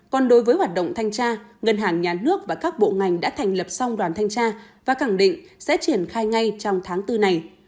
còn đối với hoạt động thanh tra ngân hàng nhà nước và các bộ ngành đã thành lập song đoàn thanh tra và khẳng định sẽ triển khai ngay trong tháng bốn này